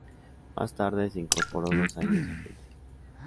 Más tarde, se incorporó dos años a Gente.